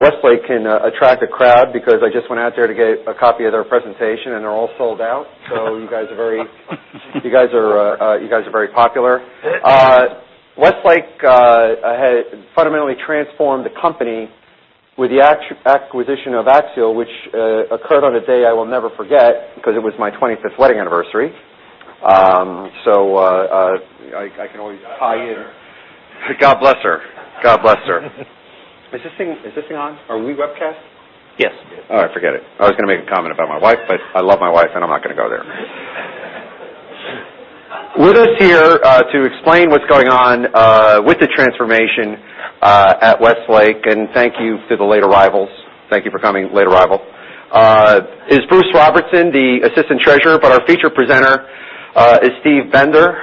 Westlake can attract a crowd because I just went out there to get a copy of their presentation, and they're all sold out. You guys are very popular. Westlake had fundamentally transformed the company with the acquisition of Axiall, which occurred on a day I will never forget because it was my 25th wedding anniversary. I can always tie in. God bless her. God bless her. Is this thing on? Are we webcast? Yes. All right, forget it. I was going to make a comment about my wife, but I love my wife, and I'm not going to go there. With us here, to explain what's going on with the transformation at Westlake, and thank you to the late arrivals. Thank you for coming, late arrivals. Is Bruce Robertson, the Assistant Treasurer, but our featured presenter is Steve Bender.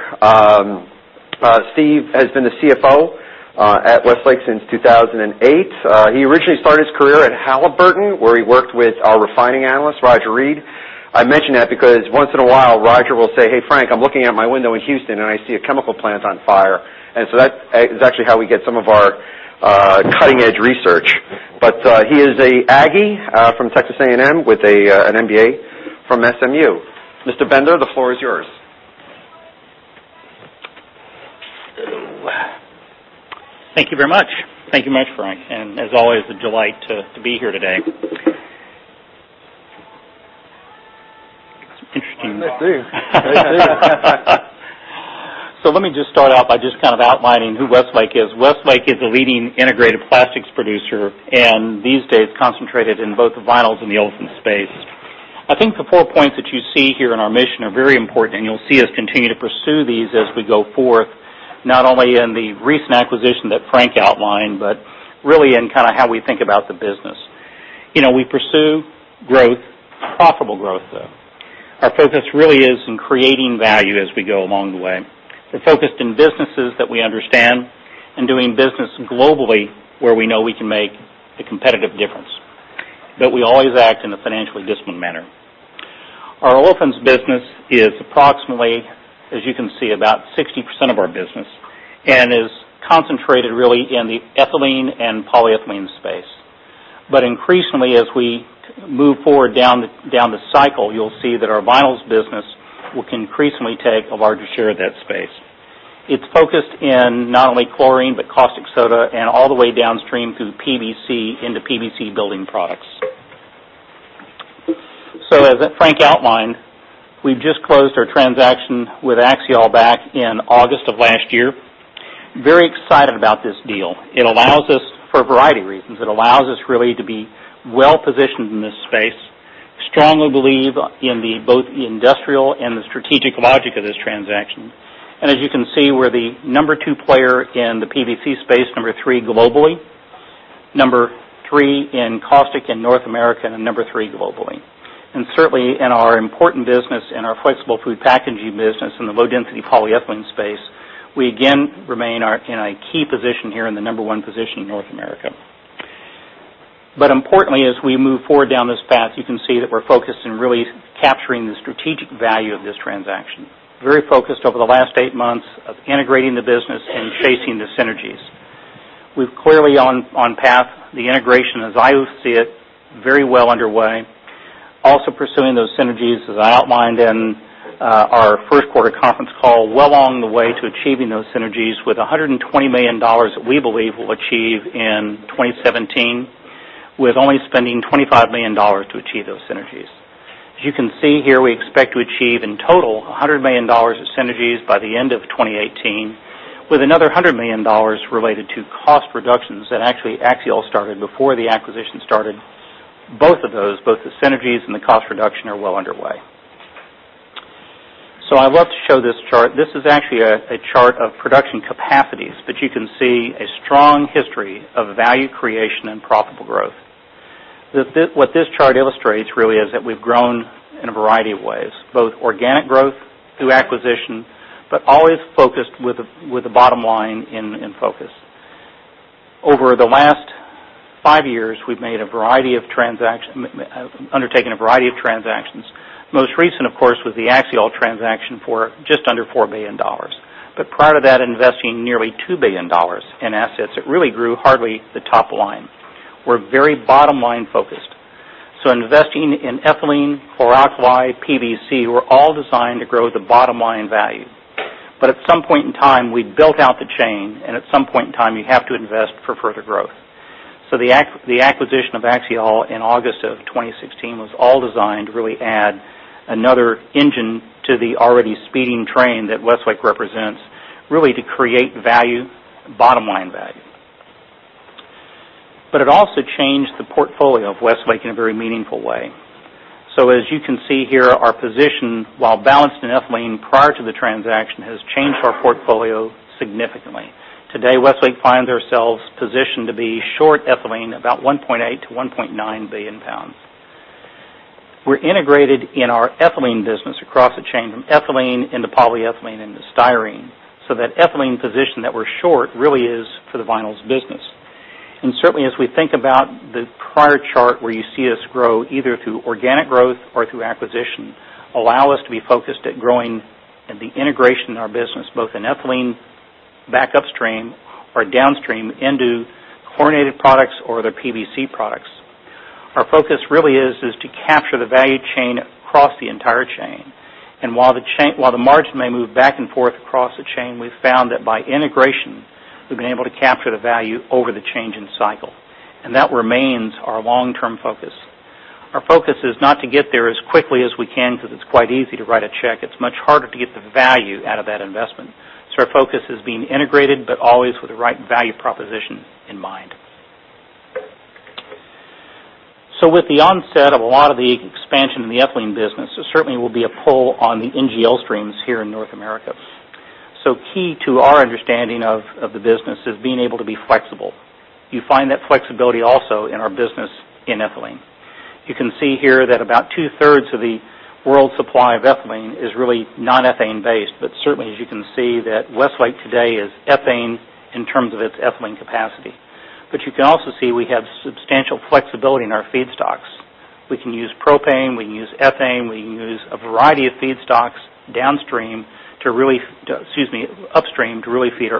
Steve has been the CFO at Westlake since 2008. He originally started his career at Halliburton, where he worked with our refining analyst, Roger Reed. I mention that because once in a while, Roger will say, "Hey, Frank, I'm looking out my window in Houston, and I see a chemical plant on fire." That is actually how we get some of our cutting-edge research. He is an Aggie from Texas A&M with an MBA from SMU. Mr. Bender, the floor is yours. Thank you very much. Thank you much, Frank. As always, a delight to be here today. Interesting. They do. Let me just start off by just kind of outlining who Westlake is. Westlake is a leading integrated plastics producer. These days concentrated in both the vinyls and the olefins space. I think the four points that you see here in our mission are very important. You'll see us continue to pursue these as we go forth, not only in the recent acquisition that Frank outlined, really in kind of how we think about the business. We pursue growth, profitable growth, though. Our focus really is in creating value as we go along the way. We're focused on businesses that we understand and doing business globally where we know we can make a competitive difference. We always act in a financially disciplined manner. Our olefins business is approximately, as you can see, about 60% of our business. Is concentrated really in the ethylene and polyethylene space. Increasingly, as we move forward down the cycle, you'll see that our vinyls business will increasingly take a larger share of that space. It's focused in not only chlorine, but caustic soda and all the way downstream to PVC into PVC building products. As Frank outlined, we've just closed our transaction with Axiall back in August of last year. Very excited about this deal. It allows us, for a variety of reasons, it allows us really to be well-positioned in this space. Strongly believe in both the industrial and the strategic logic of this transaction. As you can see, we're the number two player in the PVC space, number three globally. Number three in caustic in North America, number three globally. Certainly, in our important business, in our flexible food packaging business, in the low-density polyethylene space, we again remain in a key position here in the number 1 position in North America. Importantly, as we move forward down this path, you can see that we're focused on really capturing the strategic value of this transaction. Very focused over the last 8 months of integrating the business and chasing the synergies. We're clearly on path. The integration, as I see it, very well underway. Also pursuing those synergies, as I outlined in our first quarter conference call, well on the way to achieving those synergies with $120 million that we believe we'll achieve in 2017, with only spending $25 million to achieve those synergies. As you can see here, we expect to achieve in total, $100 million of synergies by the end of 2018, with another $100 million related to cost reductions that actually Axiall started before the acquisition started. Both of those, both the synergies and the cost reduction are well underway. I love to show this chart. This is actually a chart of production capacities, you can see a strong history of value creation and profitable growth. What this chart illustrates really is that we've grown in a variety of ways, both organic growth through acquisition, always focused with the bottom line in focus. Over the last 5 years, we've undertaken a variety of transactions. Most recent, of course, was the Axiall transaction for just under $4 billion. Prior to that, investing nearly $2 billion in assets, it really grew hardly the top line. We're very bottom line focused. Investing in ethylene, chlor-alkali, PVC, were all designed to grow the bottom line value. At some point in time, we built out the chain, at some point in time, you have to invest for further growth. The acquisition of Axiall in August of 2016 was all designed to really add another engine to the already speeding train that Westlake represents, really to create value, bottom-line value. It also changed the portfolio of Westlake in a very meaningful way. As you can see here, our position, while balanced in ethylene prior to the transaction, has changed our portfolio significantly. Today, Westlake finds ourselves positioned to be short ethylene about 1.8 billion-1.9 billion pounds. We're integrated in our ethylene business across the chain from ethylene into polyethylene and the styrene. That ethylene position that we're short really is for the vinyls business. Certainly, as we think about the prior chart where you see us grow, either through organic growth or through acquisition, allow us to be focused at growing and the integration in our business, both in ethylene back upstream or downstream into chlorinated products or their PVC products. Our focus really is to capture the value chain across the entire chain. While the margin may move back and forth across the chain, we've found that by integration, we've been able to capture the value over the change in cycle. That remains our long-term focus. Our focus is not to get there as quickly as we can because it's quite easy to write a check. It's much harder to get the value out of that investment. Our focus is being integrated, but always with the right value proposition in mind. With the onset of a lot of the expansion in the ethylene business, there certainly will be a pull on the NGL streams here in North America. Key to our understanding of the business is being able to be flexible. You find that flexibility also in our business in ethylene. You can see here that about two-thirds of the world's supply of ethylene is really not ethane-based, but certainly, as you can see, Westlake today is ethane in terms of its ethylene capacity. You can also see we have substantial flexibility in our feedstocks. We can use propane, we can use ethane, we can use a variety of feedstocks upstream to really feed our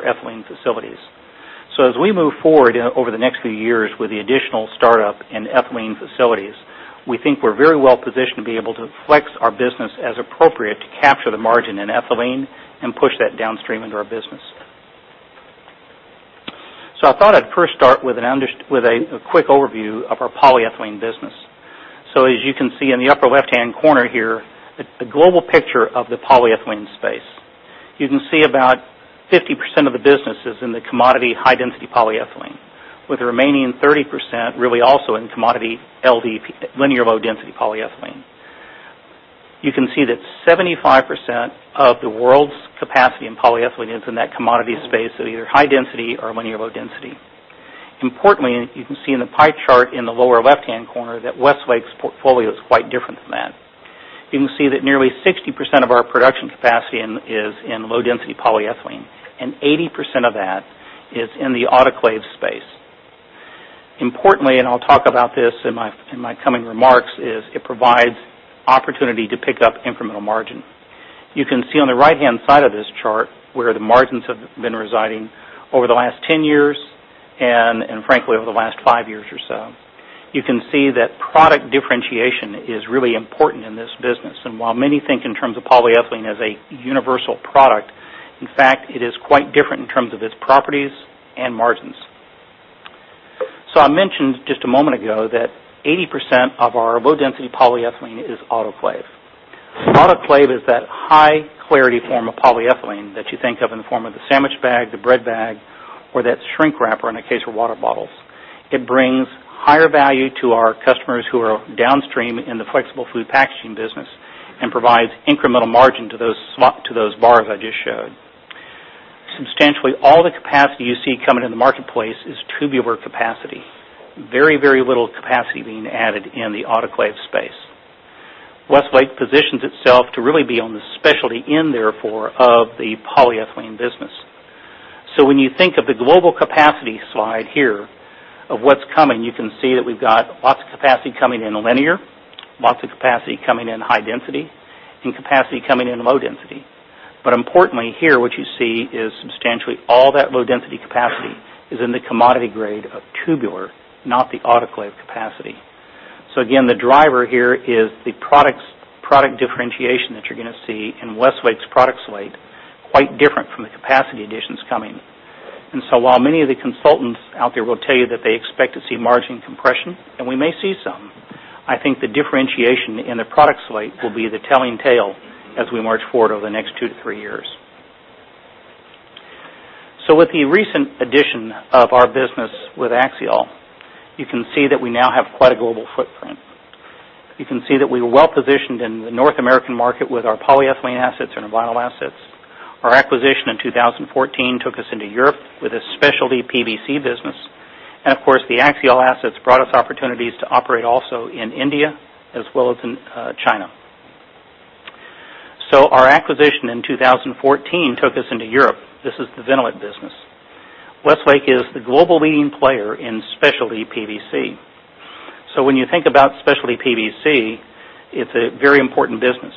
ethylene facilities. As we move forward over the next few years with the additional startup in ethylene facilities, we think we're very well positioned to be able to flex our business as appropriate to capture the margin in ethylene and push that downstream into our business. I thought I'd first start with a quick overview of our polyethylene business. As you can see in the upper left-hand corner here, the global picture of the polyethylene space. You can see about 50% of the business is in the commodity high-density polyethylene, with the remaining 30% really also in commodity LDPE, linear low-density polyethylene. You can see that 75% of the world's capacity in polyethylene is in that commodity space of either high density or linear low density. Importantly, you can see in the pie chart in the lower left-hand corner that Westlake's portfolio is quite different than that. You can see that nearly 60% of our production capacity is in low-density polyethylene, and 80% of that is in the autoclave space. Importantly, and I'll talk about this in my coming remarks, is it provides opportunity to pick up incremental margin. You can see on the right-hand side of this chart where the margins have been residing over the last 10 years, and frankly, over the last 5 years or so. You can see that product differentiation is really important in this business. While many think in terms of polyethylene as a universal product, in fact, it is quite different in terms of its properties and margins. I mentioned just a moment ago that 80% of our low-density polyethylene is autoclave. Autoclave is that high clarity form of polyethylene that you think of in the form of the sandwich bag, the bread bag, or that shrink wrapper in a case of water bottles. It brings higher value to our customers who are downstream in the flexible food packaging business and provides incremental margin to those bars I just showed. Substantially, all the capacity you see coming in the marketplace is tubular capacity. Very, very little capacity being added in the autoclave space. Westlake positions itself to really be on the specialty end therefore of the polyethylene business. When you think of the global capacity slide here of what's coming, you can see that we've got lots of capacity coming in linear, lots of capacity coming in high density, and capacity coming in low density. Importantly here, what you see is substantially all that low-density capacity is in the commodity grade of tubular, not the autoclave capacity. Again, the driver here is the product differentiation that you're going to see in Westlake's product slate, quite different from the capacity additions coming. While many of the consultants out there will tell you that they expect to see margin compression, and we may see some, I think the differentiation in the product slate will be the telling tale as we march forward over the next two to three years. With the recent addition of our business with Axiall, you can see that we now have quite a global footprint. You can see that we were well-positioned in the North American market with our polyethylene assets and our vinyl assets. Our acquisition in 2014 took us into Europe with a specialty PVC business. Of course, the Axiall assets brought us opportunities to operate also in India as well as in China. Our acquisition in 2014 took us into Europe. This is the Vinnolit business. Westlake is the global leading player in specialty PVC. When you think about specialty PVC, it's a very important business.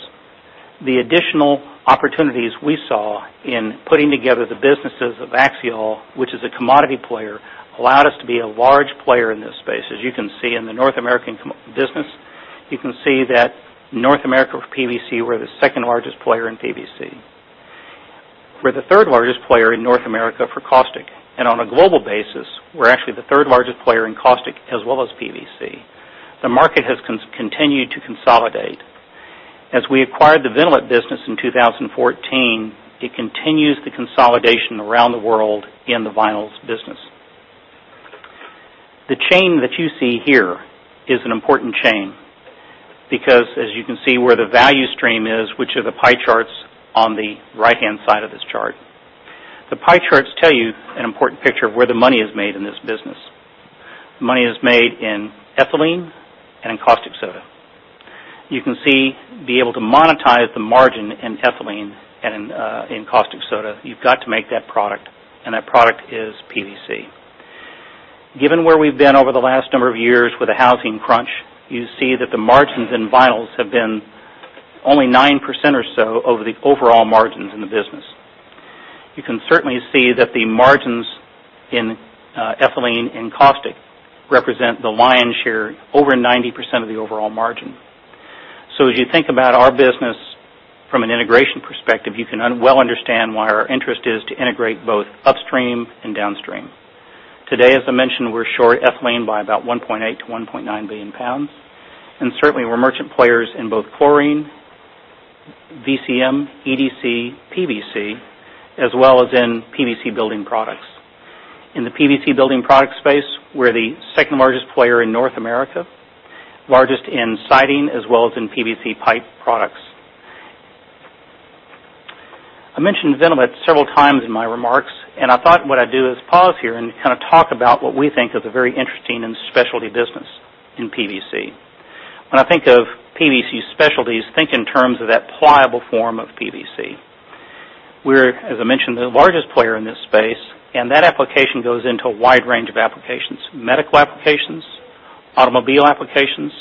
The additional opportunities we saw in putting together the businesses of Axiall, which is a commodity player, allowed us to be a large player in this space. As you can see in the North American business, you can see that North America PVC, we're the second largest player in PVC. We're the third largest player in North America for caustic, and on a global basis, we're actually the third largest player in caustic as well as PVC. The market has continued to consolidate. We acquired the Vinnolit business in 2014, it continues the consolidation around the world in the vinyls business. The chain that you see here is an important chain because as you can see where the value stream is, which are the pie charts on the right-hand side of this chart. The pie charts tell you an important picture of where the money is made in this business. The money is made in ethylene and in caustic soda. You can see be able to monetize the margin in ethylene and in caustic soda. You've got to make that product, and that product is PVC. Given where we've been over the last number of years with the housing crunch, you see that the margins in vinyls have been only 9% or so over the overall margins in the business. You can certainly see that the margins in ethylene and caustic represent the lion's share, over 90% of the overall margin. As you think about our business from an integration perspective, you can well understand why our interest is to integrate both upstream and downstream. Today, as I mentioned, we're short ethylene by about 1.8 billion pounds-1.9 billion pounds, and certainly we're merchant players in both chlorine, VCM, EDC, PVC, as well as in PVC building products. In the PVC building product space, we're the second largest player in North America, largest in siding, as well as in PVC pipe products. I mentioned Vinnolit several times in my remarks, and I thought what I'd do is pause here and kind of talk about what we think is a very interesting and specialty business in PVC. When I think of PVC specialties, think in terms of that pliable form of PVC. We're, as I mentioned, the largest player in this space, and that application goes into a wide range of applications. Medical applications, automobile applications,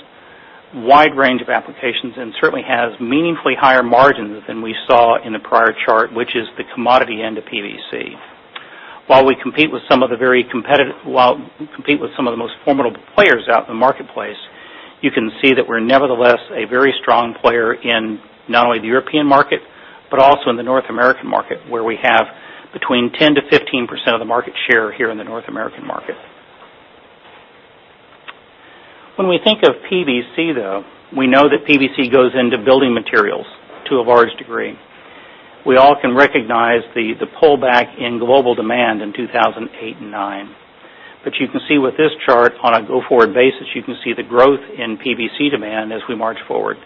wide range of applications, and certainly has meaningfully higher margins than we saw in the prior chart, which is the commodity end of PVC. While we compete with some of the most formidable players out in the marketplace, you can see that we're nevertheless a very strong player in not only the European market but also in the North American market, where we have between 10%-15% of the market share here in the North American market. When we think of PVC, though, we know that PVC goes into building materials to a large degree. We all can recognize the pullback in global demand in 2008 and 2009. You can see with this chart on a go-forward basis, you can see the growth in PVC demand as we march forward.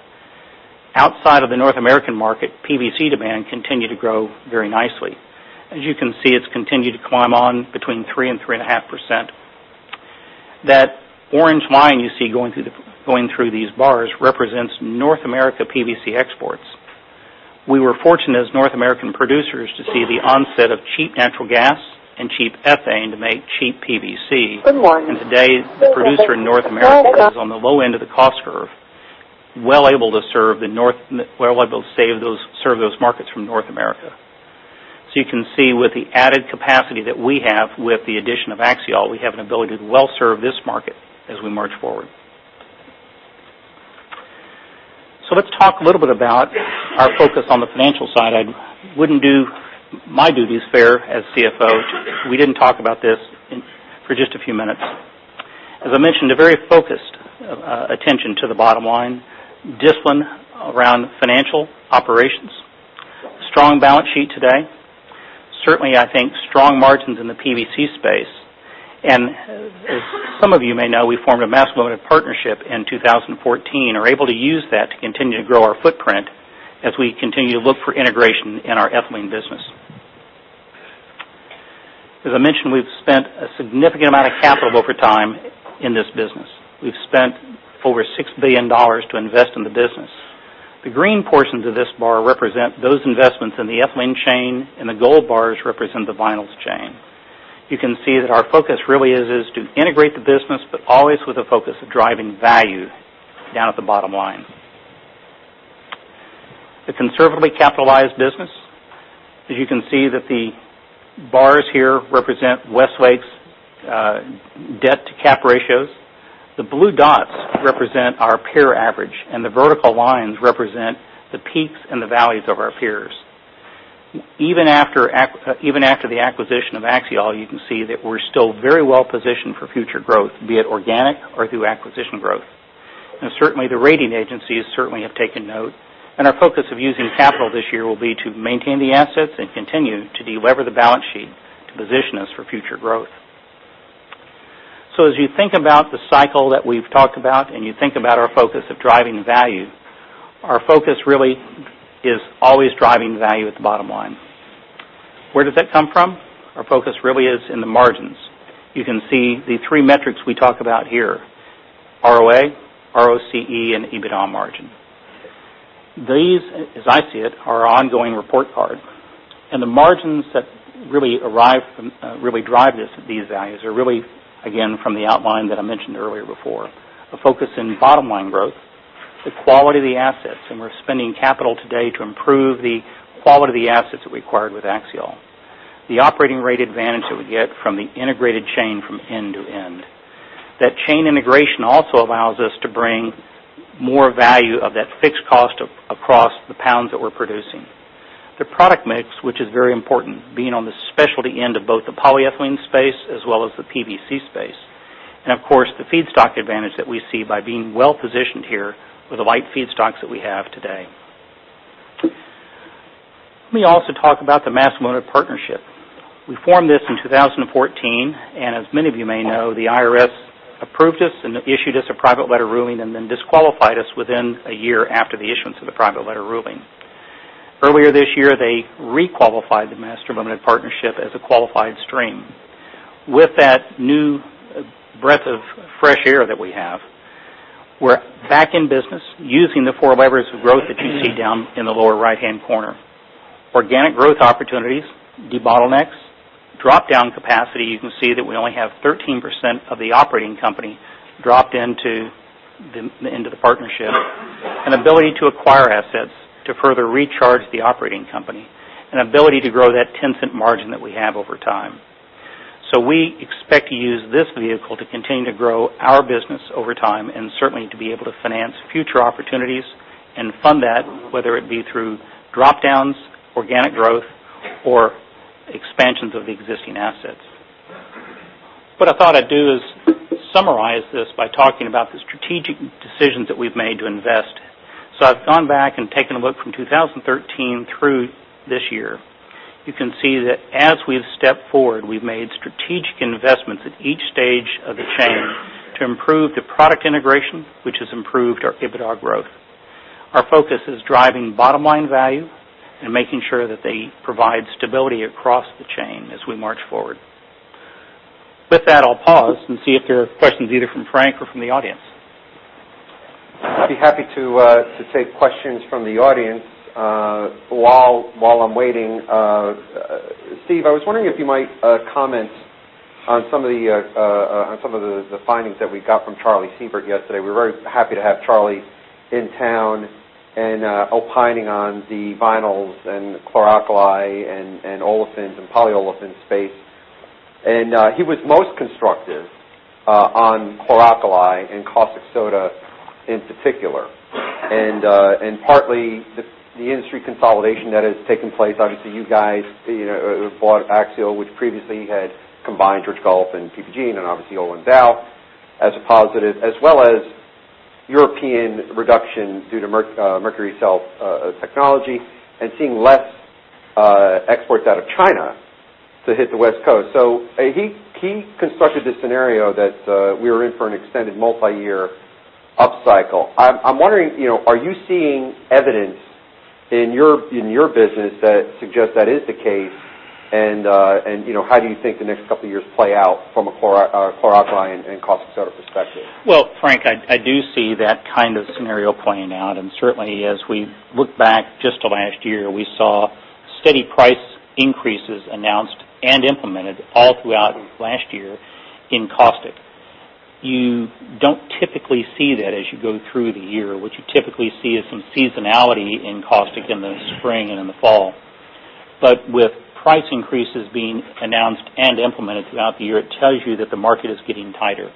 Outside of the North American market, PVC demand continued to grow very nicely. As you can see, it's continued to climb on between 3% and 3.5%. That orange line you see going through these bars represents North America PVC exports. We were fortunate as North American producers to see the onset of cheap natural gas and cheap ethane to make cheap PVC. Today, the producer in North America is on the low end of the cost curve, well able to serve those markets from North America. You can see with the added capacity that we have with the addition of Axiall, we have an ability to well serve this market as we march forward. Let's talk a little bit about our focus on the financial side. I wouldn't do my duties fair as CFO if we didn't talk about this for just a few minutes. As I mentioned, a very focused attention to the bottom line. Discipline around financial operations. Strong balance sheet today. Certainly, I think strong margins in the PVC space. As some of you may know, we formed a master limited partnership in 2014. Are able to use that to continue to grow our footprint as we continue to look for integration in our ethylene business. As I mentioned, we've spent a significant amount of capital over time in this business. We've spent over $6 billion to invest in the business. The green portions of this bar represent those investments in the ethylene chain, and the gold bars represent the vinyls chain. You can see that our focus really is to integrate the business, always with a focus of driving value down at the bottom line. A conservatively capitalized business. As you can see that the bars here represent Westlake's debt-to-cap ratios. The blue dots represent our peer average, and the vertical lines represent the peaks and the valleys of our peers. Even after the acquisition of Axiall, you can see that we're still very well positioned for future growth, be it organic or through acquisition growth. Certainly, the rating agencies certainly have taken note, our focus of using capital this year will be to maintain the assets and continue to delever the balance sheet to position us for future growth. As you think about the cycle that we've talked about and you think about our focus of driving value, our focus really is always driving value at the bottom line. Where does that come from? Our focus really is in the margins. You can see the three metrics we talk about here, ROA, ROCE, and EBITDA margin. These, as I see it, are our ongoing report card, and the margins that really drive these values are really, again, from the outline that I mentioned earlier before. A focus in bottom-line growth, the quality of the assets, and we're spending capital today to improve the quality of the assets that we acquired with Axiall. The operating rate advantage that we get from the integrated chain from end to end. That chain integration also allows us to bring more value of that fixed cost across the pounds that we're producing. The product mix, which is very important, being on the specialty end of both the polyethylene space as well as the PVC space. Of course, the feedstock advantage that we see by being well positioned here with the light feedstocks that we have today. Let me also talk about the master limited partnership. We formed this in 2014, and as many of you may know, the IRS approved us and issued us a private letter ruling and then disqualified us within a year after the issuance of the private letter ruling. Earlier this year, they requalified the master limited partnership as a qualified stream. With that new breath of fresh air that we have. We're back in business using the four levers of growth that you see down in the lower right-hand corner. Organic growth opportunities, debottlenecks, drop-down capacity. You can see that we only have 13% of the operating company dropped into the partnership. An ability to acquire assets to further recharge the operating company. An ability to grow that $0.10 margin that we have over time. We expect to use this vehicle to continue to grow our business over time, and certainly to be able to finance future opportunities and fund that, whether it be through drop-downs, organic growth, or expansions of the existing assets. What I thought I'd do is summarize this by talking about the strategic decisions that we've made to invest. I've gone back and taken a look from 2013 through this year. You can see that as we've stepped forward, we've made strategic investments at each stage of the chain to improve the product integration, which has improved our EBITDA growth. Our focus is driving bottom-line value and making sure that they provide stability across the chain as we march forward. With that, I'll pause and see if there are questions, either from Frank or from the audience. I'd be happy to take questions from the audience. While I'm waiting, Steve, I was wondering if you might comment on some of the findings that we got from Charlie Seaver yesterday. We're very happy to have Charlie in town and opining on the vinyls and chlor-alkali and olefins and polyolefins space. He was most constructive on chlor-alkali and caustic soda in particular. Partly, the industry consolidation that has taken place. Obviously, you guys bought Axiall, which previously had combined Georgia Gulf and PPG, then obviously Olin and Dow as a positive, as well as European reduction due to mercury-cell technology and seeing less exports out of China to hit the West Coast. He constructed this scenario that we are in for an extended multi-year upcycle. I'm wondering, are you seeing evidence in your business that suggests that is the case, and how do you think the next couple of years play out from a chlor-alkali and caustic soda perspective? Well, Frank, I do see that kind of scenario playing out. Certainly, as we look back just to last year, we saw steady price increases announced and implemented all throughout last year in caustic. You don't typically see that as you go through the year. What you typically see is some seasonality in caustic in the spring and in the fall. With price increases being announced and implemented throughout the year, it tells you that the market is getting tighter.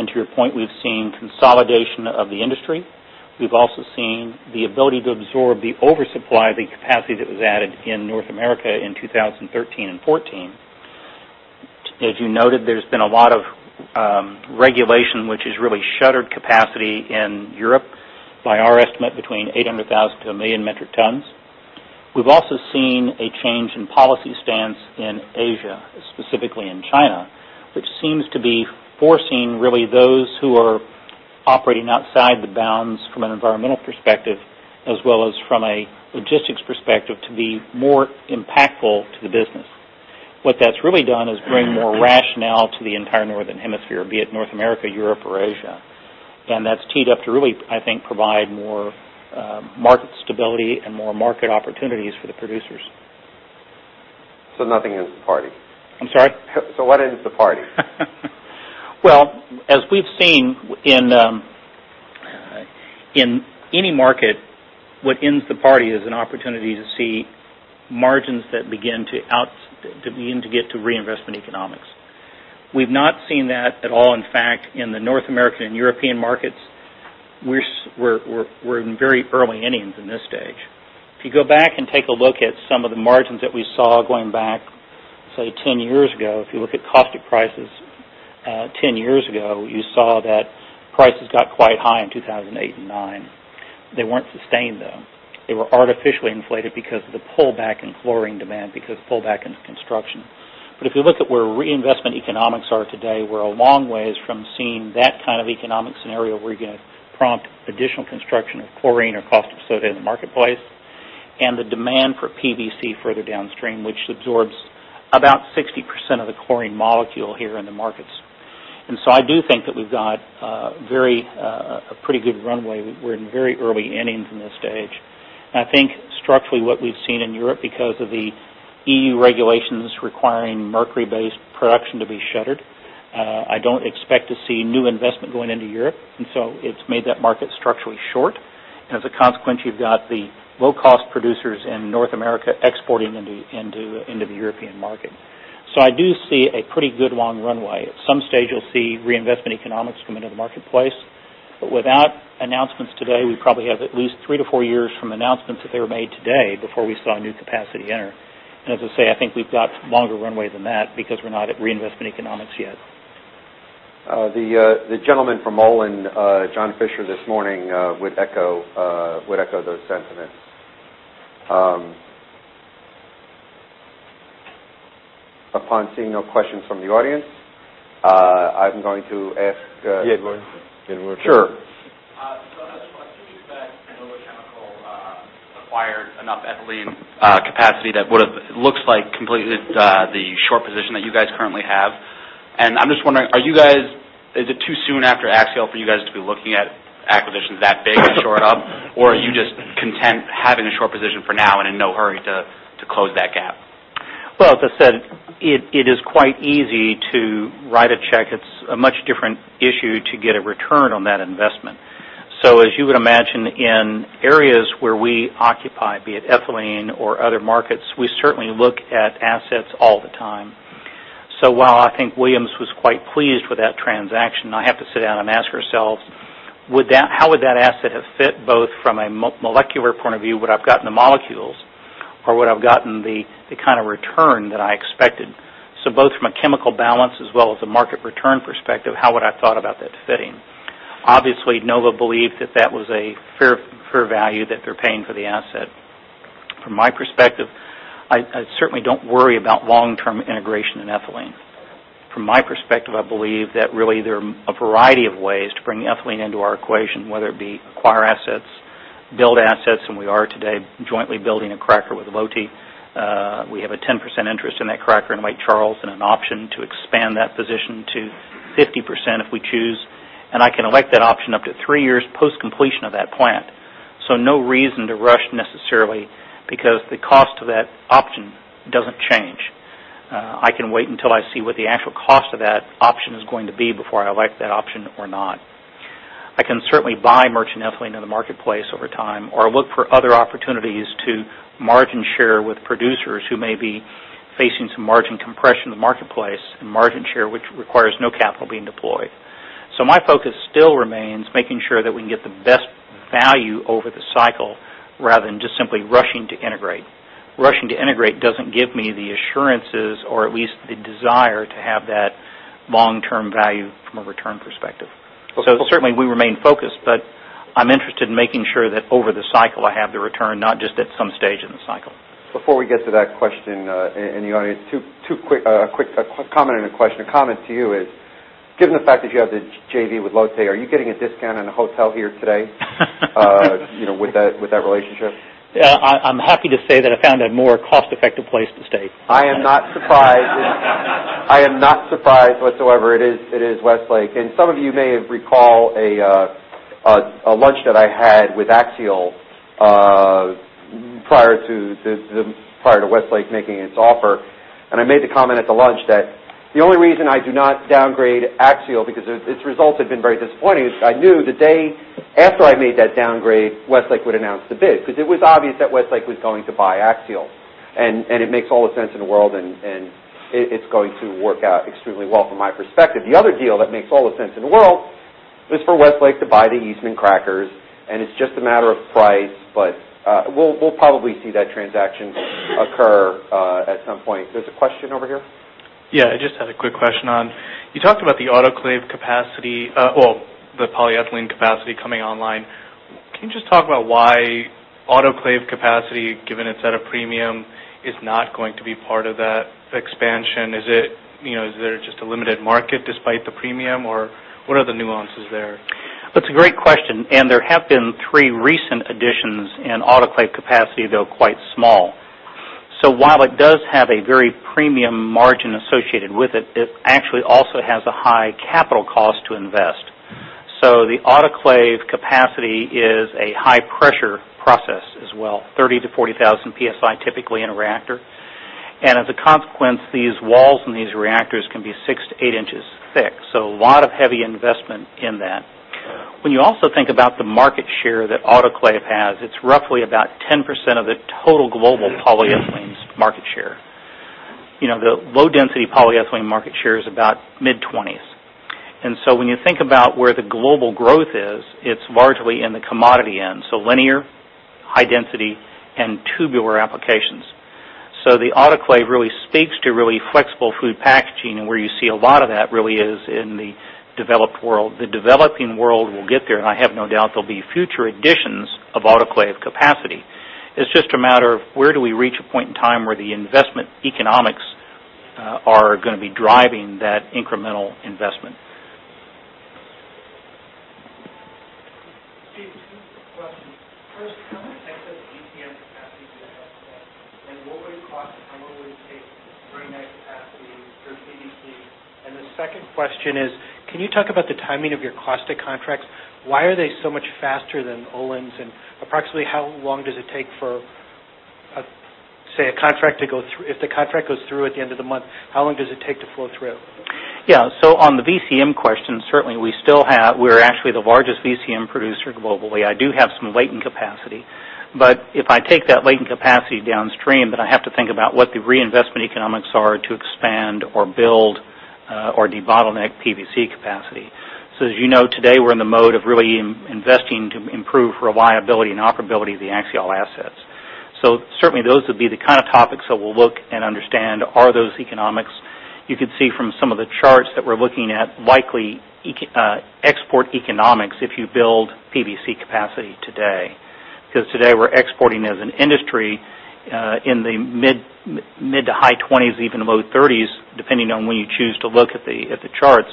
To your point, we've seen consolidation of the industry. We've also seen the ability to absorb the oversupply of the capacity that was added in North America in 2013 and 2014. As you noted, there's been a lot of regulation, which has really shuttered capacity in Europe by our estimate, between 800,000 to 1 million metric tons. We've also seen a change in policy stance in Asia, specifically in China, which seems to be forcing really those who are operating outside the bounds from an environmental perspective, as well as from a logistics perspective, to be more impactful to the business. What that's really done is bring more rationale to the entire Northern Hemisphere, be it North America, Europe, or Asia. That's teed up to really, I think, provide more market stability and more market opportunities for the producers. Nothing ends the party. I'm sorry? What ends the party? Well, as we've seen in any market, what ends the party is an opportunity to see margins that begin to get to reinvestment economics. We've not seen that at all. In fact, in the North American and European markets, we're in very early innings in this stage. If you go back and take a look at some of the margins that we saw going back, say, 10 years ago. If you look at caustic prices 10 years ago, you saw that prices got quite high in 2008 and 2009. They weren't sustained, though. They were artificially inflated because of the pullback in chlorine demand, because of pullback in construction. If you look at where reinvestment economics are today, we're a long way from seeing that kind of economic scenario where you're going to prompt additional construction of chlorine or caustic soda in the marketplace. The demand for PVC further downstream, which absorbs about 60% of the chlorine molecule here in the markets. I do think that we've got a pretty good runway. We're in very early innings in this stage. I think structurally, what we've seen in Europe because of the EU regulations requiring mercury-based production to be shuttered, I don't expect to see new investment going into Europe. It's made that market structurally short. As a consequence, you've got the low-cost producers in North America exporting into the European market. I do see a pretty good long runway. At some stage, you'll see reinvestment economics come into the marketplace. Without announcements today, we probably have at least 3-4 years from announcements if they were made today before we saw new capacity enter. As I say, I think we've got longer runway than that because we're not at reinvestment economics yet. The gentleman from Olin, John Fischer, this morning would echo those sentiments. Upon seeing no questions from the audience, I'm going to ask- Yeah. Sure acquired enough ethylene capacity that would've, it looks like, completely the short position that you guys currently have. I'm just wondering, is it too soon after Axiall for you guys to be looking at acquisitions that big to shore it up? Or are you just content having a short position for now and in no hurry to close that gap? Well, as I said, it is quite easy to write a check. It's a much different issue to get a return on that investment. As you would imagine, in areas where we occupy, be it ethylene or other markets, we certainly look at assets all the time. While I think Williams was quite pleased with that transaction, I have to sit down and ask ourselves, how would that asset have fit both from a molecular point of view, would I've gotten the molecules, or would I've gotten the kind of return that I expected? Both from a chemical balance as well as a market return perspective, how would I thought about that fitting? Obviously, NOVA believed that that was a fair value that they're paying for the asset. From my perspective, I certainly don't worry about long-term integration in ethylene. From my perspective, I believe that really there are a variety of ways to bring ethylene into our equation, whether it be acquire assets, build assets, and we are today jointly building a cracker with Lotte. We have a 10% interest in that cracker in Lake Charles and an option to expand that position to 50% if we choose. I can elect that option up to three years post completion of that plant. No reason to rush necessarily, because the cost of that option doesn't change. I can wait until I see what the actual cost of that option is going to be before I elect that option or not. I can certainly buy merchant ethylene in the marketplace over time, or look for other opportunities to margin share with producers who may be facing some margin compression in the marketplace, and margin share which requires no capital being deployed. My focus still remains making sure that we can get the best value over the cycle rather than just simply rushing to integrate. Rushing to integrate doesn't give me the assurances or at least the desire to have that long-term value from a return perspective. Okay. Certainly we remain focused, but I'm interested in making sure that over the cycle I have the return, not just at some stage in the cycle. Before we get to that question in the audience, a quick comment and a question. A comment to you is, given the fact that you have the JV with Lotte, are you getting a discount on a hotel here today with that relationship? Yeah. I'm happy to say that I found a more cost-effective place to stay. I am not surprised. I am not surprised whatsoever. It is Westlake. Some of you may recall a lunch that I had with Axiall prior to Westlake making its offer, and I made the comment at the lunch that the only reason I do not downgrade Axiall, because its results have been very disappointing, is I knew the day after I made that downgrade, Westlake would announce the bid. It was obvious that Westlake was going to buy Axiall. It makes all the sense in the world, and it's going to work out extremely well from my perspective. The other deal that makes all the sense in the world is for Westlake to buy the Eastman crackers, and it's just a matter of price, but we'll probably see that transaction occur at some point. There's a question over here. Yeah. I just had a quick question on, you talked about the autoclave capacity. Can you just talk about why autoclave capacity, given it's at a premium, is not going to be part of that expansion? Is there just a limited market despite the premium, or what are the nuances there? That's a great question. There have been three recent additions in autoclave capacity, though quite small. While it does have a very premium margin associated with it actually also has a high capital cost to invest. The autoclave capacity is a high pressure process as well, 30,000 to 40,000 PSI, typically in a reactor. As a consequence, these walls in these reactors can be 6 to 8 inches thick, so a lot of heavy investment in that. When you also think about the market share that autoclave has, it's roughly about 10% of the total global polyethylene market share. The low density polyethylene market share is about mid-20s. When you think about where the global growth is, it's largely in the commodity end. Linear, high density, and tubular applications. The autoclave really speaks to really flexible food packaging, and where you see a lot of that really is in the developed world. The developing world will get there. I have no doubt there'll be future additions of autoclave capacity. It's just a matter of where do we reach a point in time where the investment economics are going to be driving that incremental investment. Steve, two questions. First, how much excess VCM capacity do you have today? What would it cost and how long would it take to bring that capacity through PVC? The second question is, can you talk about the timing of your caustic contracts? Why are they so much faster than Olin's, and approximately how long does it take for, say, if the contract goes through at the end of the month, how long does it take to flow through? On the VCM question, certainly we're actually the largest VCM producer globally. I do have some latent capacity. If I take that latent capacity downstream, then I have to think about what the reinvestment economics are to expand or build, or debottleneck PVC capacity. As you know, today we're in the mode of really investing to improve reliability and operability of the Axiall assets. Certainly those would be the kind of topics that we'll look and understand, are those economics. You could see from some of the charts that we're looking at likely export economics if you build PVC capacity today. Because today we're exporting as an industry, in the mid to high 20s, even the low 30s, depending on when you choose to look at the charts.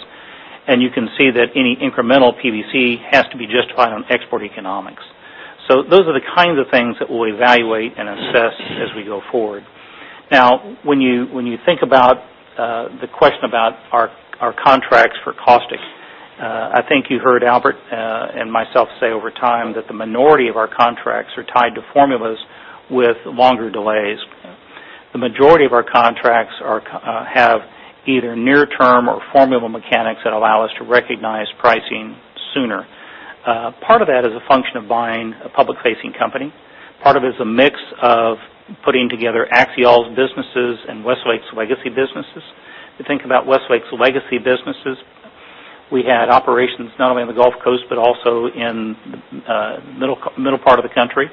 You can see that any incremental PVC has to be justified on export economics. Those are the kinds of things that we'll evaluate and assess as we go forward. When you think about the question about our contracts for caustics, I think you heard Albert and myself say over time that the minority of our contracts are tied to formulas with longer delays. The majority of our contracts have either near term or formula mechanics that allow us to recognize pricing sooner. Part of that is a function of buying a public-facing company. Part of it's a mix of putting together Axiall's businesses and Westlake's legacy businesses. If you think about Westlake's legacy businesses, we had operations not only on the Gulf Coast, but also in the middle part of the country,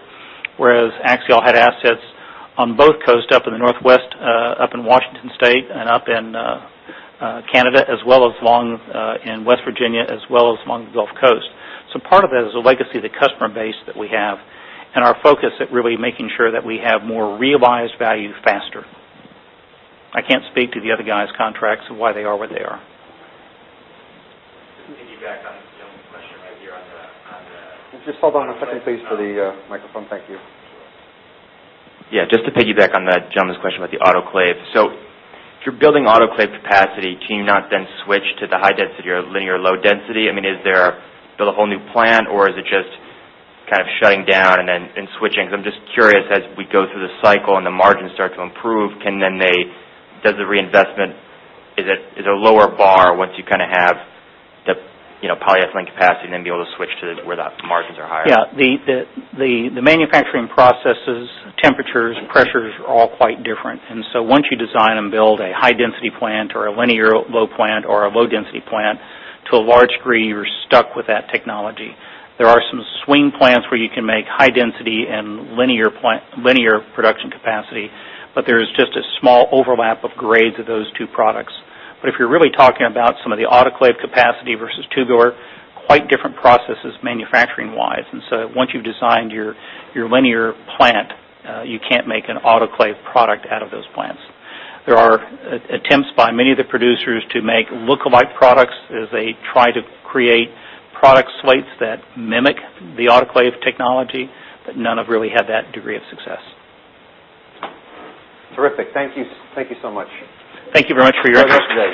whereas Axiall had assets on both coasts up in the Northwest, up in Washington State, and up in Canada, as well as in West Virginia, as well as along the Gulf Coast. Part of that is a legacy of the customer base that we have and our focus at really making sure that we have more realized value faster. I can't speak to the other guy's contracts and why they are where they are. Just to piggyback on Jim's question right here. Just hold on a second, please, for the microphone. Thank you. Yeah, just to piggyback on that gentleman's question about the autoclave. If you're building autoclave capacity, can you not then switch to the high density or linear low density? I mean, is there build a whole new plant, or is it just kind of shutting down and then switching? I'm just curious, as we go through the cycle and the margins start to improve, does the reinvestment, is it a lower bar once you kind of have the polyethylene capacity then be able to switch to where the margins are higher? Yeah. The manufacturing processes, temperatures, pressures are all quite different. Once you design and build a high density plant or a linear low plant or a low density plant, to a large degree, you're stuck with that technology. There are some swing plants where you can make high density and linear production capacity, but there's just a small overlap of grades of those two products. If you're really talking about some of the autoclave capacity versus tubular, quite different processes manufacturing wise. Once you've designed your linear plant, you can't make an autoclave product out of those plants. There are attempts by many of the producers to make lookalike products as they try to create product slates that mimic the autoclave technology, but none have really had that degree of success. Terrific. Thank you so much. Thank you very much for your interest.